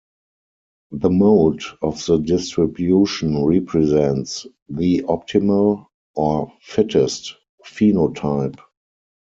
The mode of the distribution represents the optimal, or fittest, phenotype.